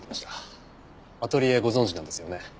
アトリエご存じなんですよね？